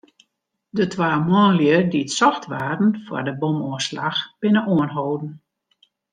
De twa manlju dy't socht waarden foar de bomoanslach, binne oanholden.